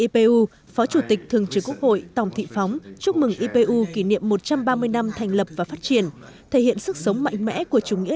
và phó chủ tịch quốc hội cuba ana maria marie machado